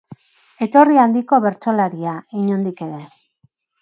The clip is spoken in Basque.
Etorri handiko bertsolaria, inondik ere.